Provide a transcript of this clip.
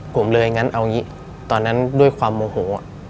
ผมเลยตอนนั้นด้วยความโมโห